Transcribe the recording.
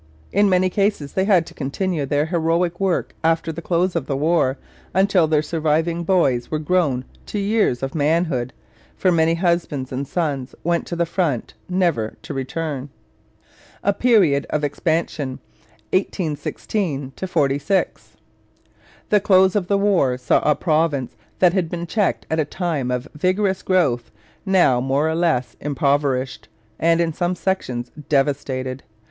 In many cases they had to continue their heroic work after the close of the war, until their surviving boys were grown to years of manhood, for many husbands and sons went to the front never to return. FOOTNOTES: See 'Pioneer Settlements' in this section. A PERIOD OF EXPANSION, 1816 46 The close of the war saw a province that had been checked at a time of vigorous growth now more or less impoverished, and, in some sections, devastated.